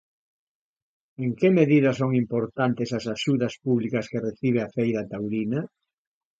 En que medida son importantes as axudas públicas que recibe a feira taurina?